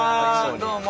どうも。